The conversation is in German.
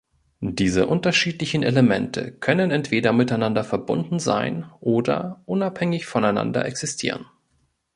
Diese unterschiedlichen Elemente können entweder miteinander verbunden sein oder unabhängig voneinander existieren.